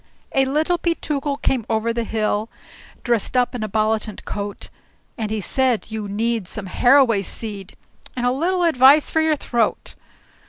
A Little Peetookle came over the hill, Dressed up in a bollitant coat; And he said, "You need some harroway seed, And a little advice for your throat."